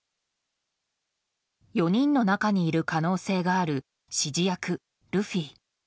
４人の中にいる可能性がある指示役ルフィ。